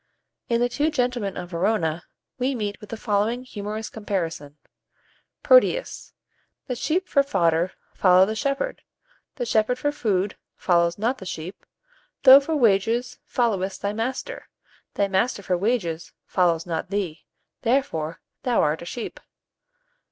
In the "Two Gentlemen of Verona," we meet with the following humorous comparison: "Proteus. The sheep for fodder follow the shepherd, the shepherd for food follows not the sheep: thou for wages followest thy master, thy master for wages follows not thee; therefore, thou art a sheep.